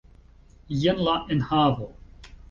Jen la enhavo!